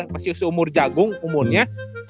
masih usia umur jagung umurnya